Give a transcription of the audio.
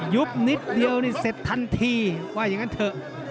บนิดเดียวนี่เสร็จทันทีว่าอย่างนั้นเถอะ